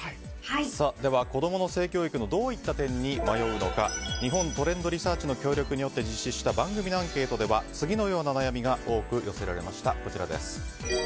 子供の性教育のどういった点に迷うのか日本トレンドリサーチの協力のもと実施した番組のアンケートでは次のような悩みが多く寄せられました。